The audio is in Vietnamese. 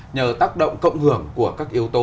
nhờ tác động cộng hưởng của các yếu tố